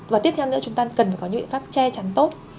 và tiếp theo nữa chúng ta cần phải có những biện pháp che chắn tốt